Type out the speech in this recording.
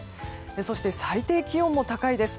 そして、最低気温も高いです。